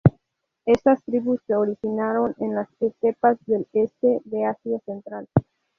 Estas tribus se originaron en las estepas del este de Asia Central.